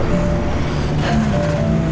eh kita berumah lagi